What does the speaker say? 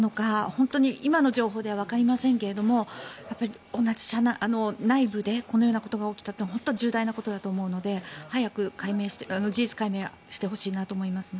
本当に今の情報ではわかりませんが内部でこのようなことが起きたというのは本当に重大なことだと思うので早く事実解明してほしいと思います。